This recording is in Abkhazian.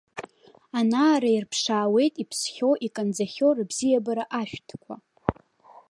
Ана-ара ирԥшаауеит, иԥсхьоу, иканӡахьоу рыбзиабара ашәҭқәа.